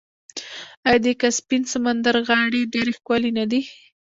آیا د کسپین سمندر غاړې ډیرې ښکلې نه دي؟